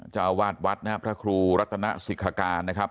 จ้าวาดวัดนะครับพระครูรัตนสิทธิ์ศิกษาการนะครับ